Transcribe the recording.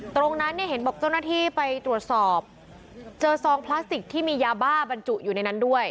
ตรงนั้นเนี่ยเห็นบอกเจ้าหน้าที่ไปตรวจสอบเจอซองพลาสติกที่มียาบ้าบรรจุอยู่ในนั้นด้วย